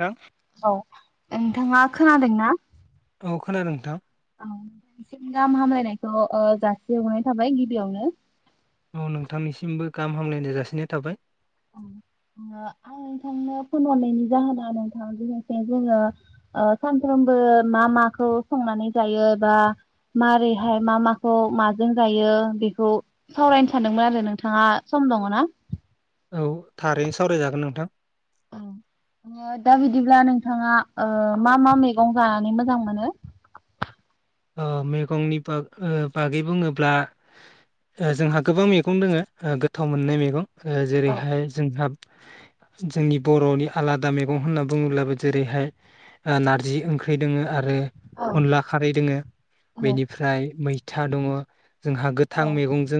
नोंथां औ। नोंथाङा खोनादोंना? औ खोनादों नोंथां। औ बांसि गाहाम हामलायनायखौ ओ जासिहरनाय थाबाय गिबियावनो। औ नोंथांनिसिमबो गाहाम हामलायनाय जासिनाय थाबाय। आं नोंथांनो फनहरनायनि जाहोना नोंथां लोगोसे जोङो सानफ्रोमबो मा माखौ संनानै जायो बा माबोरैहाय मा माखौ माजों जायो बेखौ सावरायनो सानदोंमोन आरो नोंथाङा सम दङना? औ थारैनो सावरायजागोन नोंथां। दा बिदिब्ला नोंथाङा मा मा मैगं जानानै मोजां मोनो ओ मैगंनि बाग बुङोब्ला जोंहा गोबां मैगं दङ गोथाव मोननाय मैगं औ जेरैहाय जोंहा जोंनि बर'नि आलादा मैगं होनना बुङोब्लाबो जेरैहाय नारजि ओंख्रि दङ आरो ओ औ अनला खारै दोङो बेनिफ्राय मैथा दङ जोंहा औ गोथां मैगंजों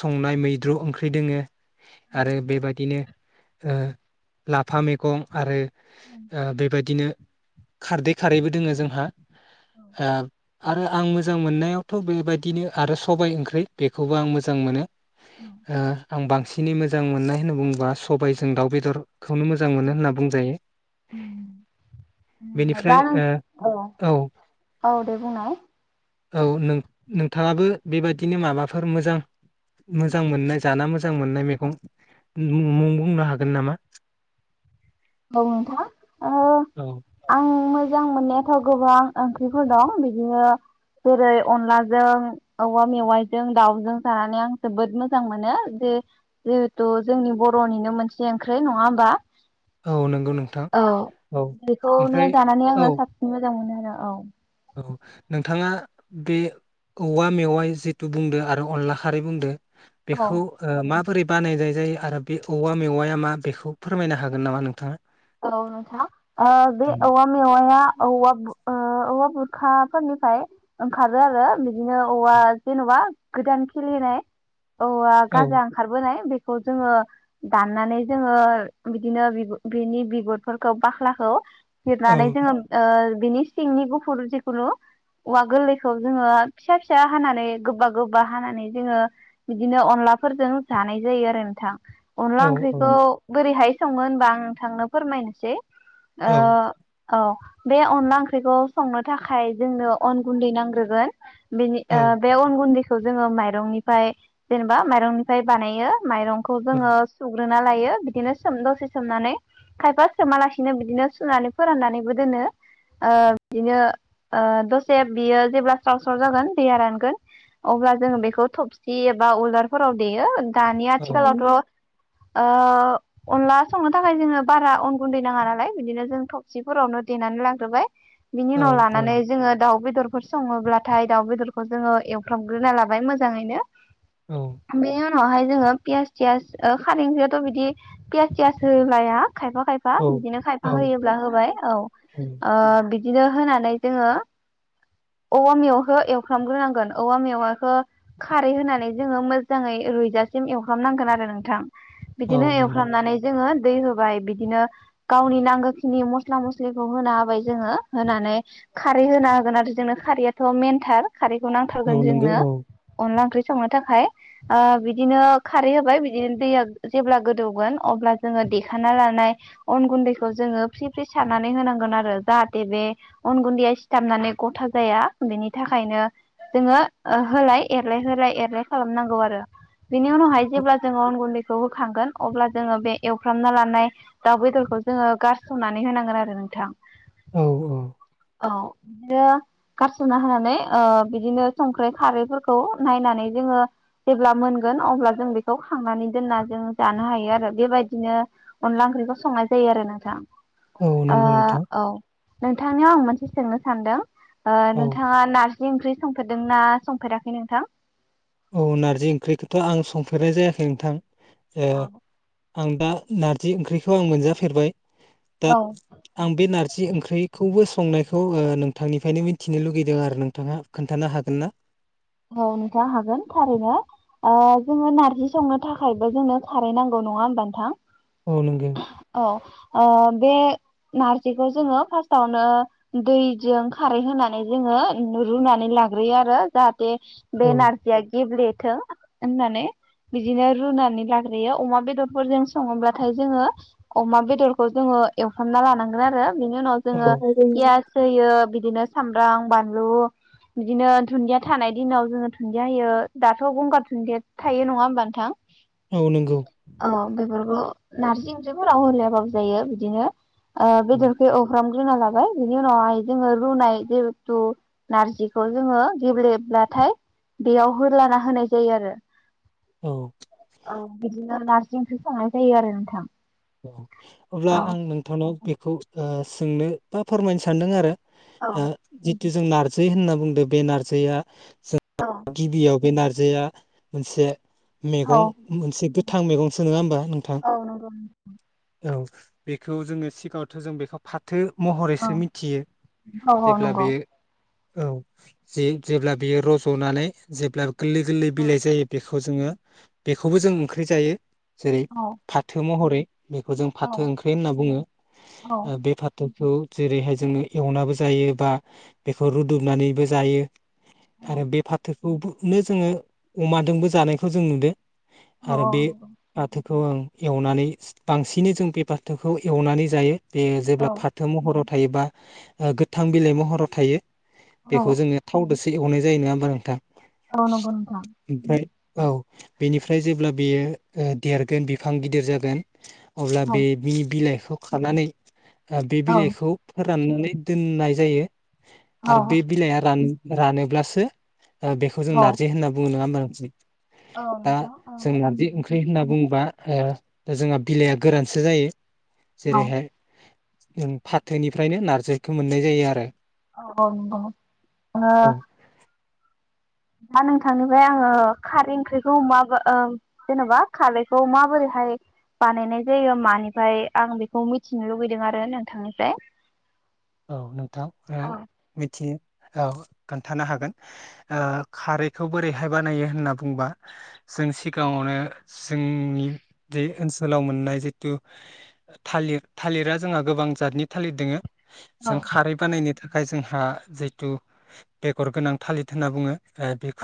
संनाय मैद्रु ओंख्रि दङ आरो बेबादिनो ओ लाफा मैगं आरो औ ओ बेबायदिनो खारदै खारैबो दङ जोंहा [inaudible] आ आरो आं मोजां मोननायावथ' बेबायदिनो आरो सबाइ ओंख्रि बेखौबो आं मोजां मोनो औ ओ आं बांसिन खिनि मोजां मोननाय होनना बुङोबा सबायजों दाउ बेदर खौनो मोजां औ मोनो होनना बुंजायो उम दा बेनिफ्राय नों औ औ दे बुंनाय औ नों नोंथाङाबो बेबादिनो माबाफोर मोजां मोजां मोननाय जाना मोजां मोननाय मैगं मुं बुंनो हागोन नामा? औ नोंथां ओ औ आं मोजां मोननायाथ' गोबां ओंख्रिफोर दं बिदिनो जेरै अनलाजों औवा मेवाइजों दाउजों जानानै आं जोबोद मोजां मोनो जे जिहेथु जोंनि बर'निनो मोनसे ओंख्रि नङा होमबा? औ नंगौ नोंथां औ औ ओमफ्राय बेखौनो जानानै औ आङो साबसिन मोजां मोनो औ औ नोंथाङा बे औवा मेवाइ जिथु बुंदो आरो अनला खारै बुंदो औ बेखौ ओ मा बोरै बानायनाय जायो आरो बे औवा मेवाया मा बेखौ फोरमायनो हागोन नामा नोंथाङा? औ नोंथां ओ बे औवा मेवाइआ औवा ओ औवा गुरखाफोरनिफ्राय ओंखारो आरो बिदिनो औवा जेनबा गोदान खेलिनाय अ औ गाजा ओंखारबोनाय बे खौ जोङो दाननानै जोङो बिदिनो बेनि बिगुरफोरखौ बाख्लाखौ औ फिरनानै जोङो ओ बिनि सिंनि गुफुर जिखुनु औवा गोरलैखौ जोङो फिसा फिसा हानानै गोबा गोबा हानानै जोङो बिदिनो अनलाफोरजों जानाय जायो आरो नोंथां औ अनला ओंख्रिखौ बोरैहाय संमोन होनबा आं । थांनो फोरमायनोसै । औ ओ औ बे अनला ओंख्रिखौ संनो थाखाय जोंनो अन गुन्दै नांग्रोगोन । बेनि ओ औ बेे अन गुन्दै खौ जोङो माइरंनिफ्राय जेनेबा माइरंनिफ्राय बानायो । माइरंखौ जोङो सु रोना लायो बिदिनो सोम दसे सोमनानै । खायफा सोमालासिनो बिदिनो सुनानै फोराननानैबो दोनो ओ बिदिनो दसे बियो जेब्ला स्राव स्राव जागोन दैया रानगोन अब्ला जोङो बेखौ थबसि एबा उलदारफोराव देयो। दानि औ आथिखालावथ' ओ अनला संनो थाखाय जोङो। बारा अन गुन्दै नाङा नालाय बिदिनो जों थबसिफोरावनो देनानै लाग्रोबाय । बिनि उनाव लानानै जोङो दाउ बेदर बेफोर सङोब्लाथाय दाउ बेदरखौ जोङो एवफ्रामग्रोना लाबाय मोजाङैनो । बे उनावहाय जोङो पियास सियास खारेंखयाथ' बिदि पियास सियास होलाया खायफा खायफा बिदिनो औ खायफा होयोब्ला होबाय औ ओ औ बि बिदिनो होनानै जोङो औवा मेवाखौ एवफ्रामग्रोनांगोन औवा मेवाखौ खारै होनानै जोङो मोजाङै रुइजासिम एवफ्रामनांगोन आरो नोंथां । औ बिदिनो नंगौ एवफ्रामनानै जोङो । दै होबाय । बिदिनो गावनि नांगौखिनि मस्ला मस्लिखौ होना होबाय जोङो होनानै खारै होना होगोन आरो जोंनो खारैयाथ' मेनथार । खारैखौ औ नांथारगोन नंगौ जोंनो औ अनला ओंख्रि । संनो थाखाय ओ बिदिनो खारै होबाय बिदिनो दैया जेब्ला गोदौगोन अब्ला जोङो देखाना लान नाय अन गुन्दैखौ जोङो फ्रि फ्रि सारनानै होनांगोन आरो जाहाथे बे अन गुन्दैया सिथाबनानै गथा जाया बेनि थाखायनो जोङो होलाय एरलाय होलाय एरलाय खालामनांगौ आरो । बिनि उनावहाय जेब्ला जों अन गुन्दै खौ होखांगोन अब्ला जोङो बे एवफ्रामना लानाय । दाउ बेदरखौ जोङो गारसननानै होनांगोन आरो नोंथां। औ औ औ बिदिनो गारस'ना होनानै ओ बिदिनो संख्रि खारैफोरखौ नायनानै जोङो जेब्ला मोनगोन अब्ला जों बेखौ खांनानै दोनना जों जानो हायो आरो बेबायदिनो । अनला ओंख्रिखौ संनाय जायो आरो नोंथां। औ ओ नंगौ नोंथां औ नोंथांनियाव आं मोनसे सोंनो सानदों । ओ औ नोंथाङा नार जि ओंख्रि संफेरदोंना संफेराखै नोंथां? औ नारजि ओंख्रिखौथ' आं संफेरनाय जायाखै नोंथां । औ आं दा नारजि ओंख्रिखौ आं मोनजाफेरबाय दा औ आं बे नार जि ओंख्रिखौबो संनायखौ नोंथांनिफ्रायनो मिथिनो लुगैदों आरो नोंथांआ खोन्थानो हागोन ना। औ नोंथां हागोन थारैनो आ जोंङो नारजि संनो थाखायबो जोंनो खारै नांगौ नङा होमबा नोंथां। औ नंगौ औ आ बे नारजिखौ जोंङो फार्स्टावनो दैजों खारै होनानै जोंङो रुनानै लाग्रोयो आरो जाह थे औ बे नारजिया गेब्ले थो होननानै बिदिनो रुनानै लाग्रोयो अमा बेदरफोरजों सङोब्लाथाय जोंङो अमा बेदरखौ जोंङो एवफ्रामना लानांगोन आरो। बिनि उनाव जोंङो औ पियास होयो बिद बिदिनो सब्राम बानलु बिदिनो थानाय दिनाव जोंङो दुनदिया होयो दाथ' गंगार दुनदिया थायो नंङा होमबा नोंथां। औ नंगौ औ बेफोरखौ नारजि ओंख्रिफोराव होलायाबाबो जायो बिदिनो बेदरखौ एवफ्राम रुना लाबाय बिनि उनावहाय जोंङो रुनाय जिहेथु नारजिखौ जोंङो गेब्लेब्लाथाय बेयाव होलाना होनाय जायो आरो। औ बिदिनो नार्जि ओंख्रि संनाय जायो आरो नोंथां। अब्ला औ आं नोंथांनाव केक खौ सोंनो बा फोरमायनो सान्दों आरो। औ ओ जेथि दे जों नार्जि होनना बुंदो बे नारजैया जों गिबियाव बे नारजिया मोनसे औ मैगं मोनसे गो थां मैगं सो नंङा होनबा। औ नंगौ औ बेखौ जोंङो सिगाङावथो जों बेखौ फाथो औ महरैसो मिथियो औ औ जेब्ला नंगौ बेयो औ जे जेब्ला बियो रज'नानै जेब्ला गोरलै गोरलै औ बिलाइ जायो बे खौ जोंङो बेखौबो जों ओंख्रि जायो जेरै औ फाथो महरै बेखौ जों औ फाथो ओंख्रि होनना बुङो औ बे फाथो खौ जेरैहाय जोङो एवनाबो जायो बा बेखौ रुदुबनानैबो जायो। आरो बे फाथो खौबो नो जोङो अमादोंबो जानायखौ जों नुदो। औ आरो बे नंगौ फाथो बेखौ ओं एवनानै बांसिनै जों बे बाथोखौ एवनानै जायो। बे औ जेब्ला फाथो महराव थायोबा ओ गोथां बिलाइ महराव थायो। औ बेखौ जोंनिया थावदोसो एवनाय जायो नङा होनबा नोंथां? औ नंगौ नोंथां ओमफ्राय औ बेनिफ्राय जेब्ला बेयो देरगोन बिफां गिदिर जागोन [unintelligible] अब्ला बे औ बि-बिलाइ खौ खानानै ओ बे औ बिलाइखौ फो राननानै दोननाय जायो। औ आरो बे बिलाइया रान रानोब्लासो ओ बेखौ जों औ नारजि होनना बुङो नङा होनबा जि औ दा नोंथां जों नारजि ओंख्रि होनना बुंबा ओ जोंहा बिलाइया गोरानसो जायो। औ जेरैहाय फाथोनिफ्रायनो नार्जिखौ मोननाय जायो आरो। औ नंगौ ओ औ दा नोंथांनिफ्राय आङो खारै ओंख्रिखौ माबा ओ जेन'बा खारैखौ माबोरैहाय बानायनाय जायो मानिफ्राय आं बेखौ मिथिनो लुबैदों आरो नोंथांनिफ्राय। औ नोंथां ओ औ मिथियो औ खोन्थानो हागोन। ओ खारैखौ बोरैहाय बानायो होनना बुंबा जों सिगाङावनो जोंनि बे ओनसोलाव मोननाय जितु थालिर थालिरा जोंहा गोबां जातनि थालिर दोङो। औ जों खारै बानायनो था खाय जोंहा जिथु बेगर गोनां थालिर होनना बुङो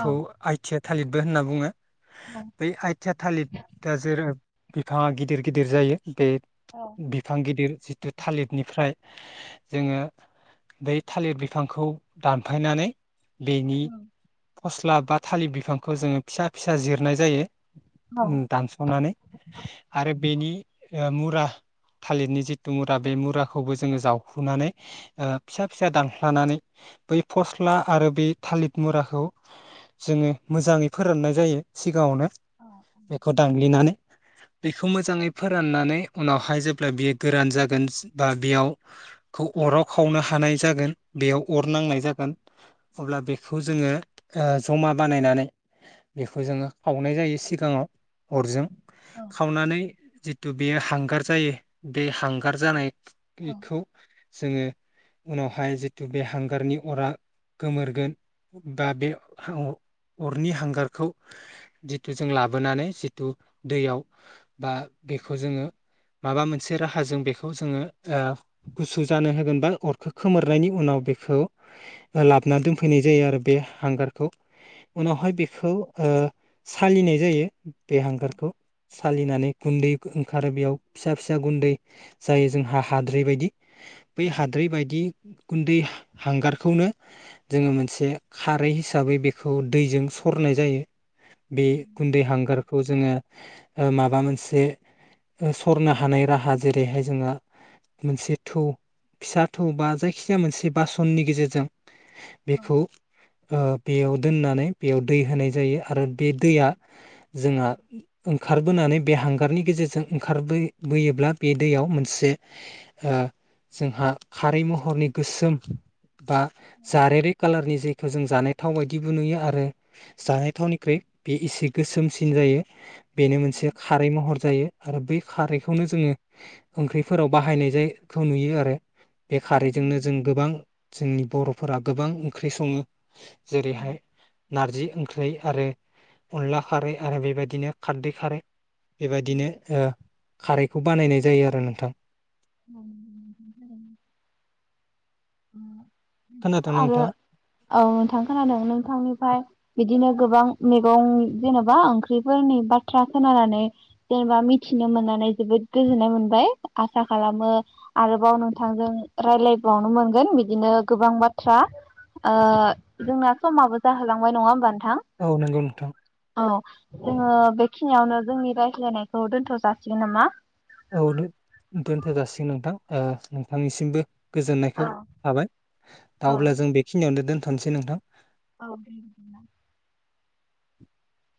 औ आइथिया थालिरबो होनना बुङो। औ बै आथिया थालिर दा जेराब बिफाङा गिदिर-गिदिर जायो। बे औ बिफां गिदिर। जितु थालिथनिफ्राय। जोङो बै थालिर बिफांखौ दानफायनानै बेनि फस्ला बा थालिर बिफांखौ जोङो फिसा फिसा जिरनाय जायो। उम दानस'नानै आरो बेनि ओ मुरा थालिरनि जिथु मुरा बे मुराखौबो जों जोङो जावहखुनानै ओ फिसा फिसा दानफ्लानानै बै फस्ला आरो बै थालिर मुराखौ जोङो मोजाङै फोराननाय जायो सिगाङावनो। बेखौ दानग्लिनानै। बेखौ मोजाङै फोराननानै उनावहाय जेब्ला बियो गोरान जागोन बा बेयाव। खौ अराव खावनो हानाय जागोन बेयाव अर नांनाय जागोन अब्ला बेखौ जोङो ओ जमा बानायनानै बेखौ जोङो खावनाय जायो सिगाङाव अरजों। खावनानै जि थु बेयो हांगार जायो बे हांगार जानाय [unintelligible] खौ जोङो उनावहाय जिथु बे हांगारनि अरा गोमोरगोन बा बे अरनि हांगारखौ जिथु जों लाबोनानै जिथु दैयाव बा बेखौ जोङो माबा मोनसे राहाजों बेखौ जोङो। ओ गुसु जानो होगोन बा अरखो खोमोरनायनि उनाव बेखौ। लाबोना दोनफैनाय जायो आरो। बे हांगारखौ। उनावहाय बेखौ ओ। सालिनाय जायो। बे हांगारखौ सालिनानै गुन्दै ओंखारो बेयाव फिसा-फिसा गुन्दै जायो जोंहा हाद्रि बायदि। बै हाद्रि बायदि। गुन्दै हांगारखौनो जोङो मोनसे खारै हिसाबै बेखौ दैजों सरनाय जायो। बे गुन्दै हांगारखौ जोङो। ओ माबा मोनसे सरनो हानाय राहा जेरैहाय जोंहा मोनसे थौ फिसा थौ बा जायखिजाया मोनसे बासननि गेजेरजों। औ बेखौ ओ बेयाव दोननानै बेयाव दै होनाय जायो आरो बे दैया जोंहा ओंखार बोनानै बे हांगारनि गेजेरजों ओंखारबो बोयोब्ला बे दैयाव मोनसे। ओ जोंहा खारै महरनि गोसोम बा जारेरे कालारनि जे थ' जों जानाय थाव बायदिबो नुयो आरो। जानाय थावनिख्रुइ बे एसे गोसोमसिन जायो बेनो मोनसे खारै महर जायो आरो बै खारैखौनो जोङो ओंख्रि फोराव बाहायनाय जाय खौ नुयो आरो बे खारैजोंनो जों गोबां जोंनि बर' फोरा गोबां ओंख्रि सङो जेरैहाय नारजि ओंख्रि आरो अनला खारै आरो बेबायदिनो खारदै खारै बेबायदिनो ओ खारैखौ बानायनाय जायो आरो नोंथां औ ओ खोनादों आरो नोंथाङा औ नोंथां खोनादों नोंथांनिफ्राय बिदिनो गोबां मैगं जेनेबा ओंख्रिफोरनि बाथ्रा खोनानानै जेनेबा मिथिनो मोननानै जोबोद गोजोननाय मोनबाय आसा खालामो आरोबाव नोंथांजों राय्लायबावनो मोनगोन बिदिनो गोबां बाथ्रा ओ जोंना समाबो जाहोलांबाय नङा होमबा नोंथां औ नंगौ नोंथां औ जोङो बेखिनियावनो जोंनि रायज्लायनायखौ दोनथ' जासिगोन नामा औ दो दोनथ जासिगोन नोंथां ओ नोंथांनिसिमबो गोजोननायखौ औ लाबाय औ दा अब्ला जों बेखिनियावनो दोन थनसै नोंथां औ [unintelligible]